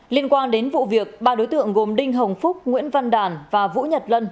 liên quan đến vụ việc ba đối tượng gồm đinh hồng phúc nguyễn văn đàn và vũ nhật lân